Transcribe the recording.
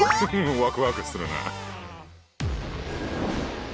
ワクワクするな！